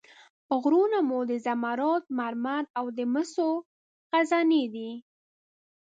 غرونه مو د زمرد، مرمر او مسو خزانې دي.